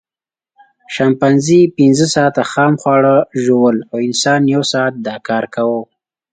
شامپانزي پینځه ساعته خام خواړه ژوول او انسان یو ساعت دا کار کاوه.